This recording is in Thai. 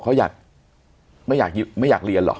เขาไม่อยากเรียนหรอ